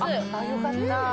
よかった！